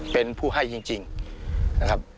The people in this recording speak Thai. เป็นผู้ให้จริง